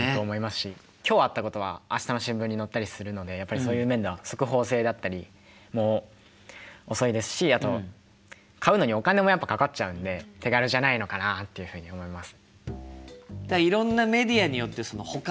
今日あったことは明日の新聞に載ったりするのでやっぱりそういう面では速報性だったりも遅いですしあと買うのにお金もやっぱかかっちゃうんで手軽じゃないのかなっていうふうに思います。